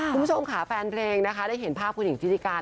คุณผู้ชมค่ะแฟนเพลงนะคะได้เห็นภาพคุณหญิงทิติการ